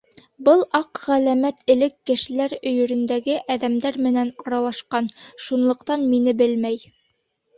— Был аҡ ғәләмәт элек кешеләр өйөрөндәге әҙәмдәр менән аралашҡан, шунлыҡтан мине белмәй.